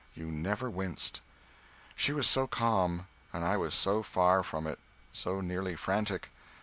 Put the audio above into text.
You never winced." She was so calm! and I was so far from it, so nearly frantic.